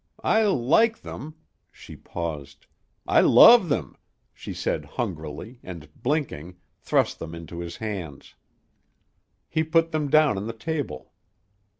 I like them." She paused. "I love them," she said hungrily and, blinking, thrust them into his hands. He put them down on the table.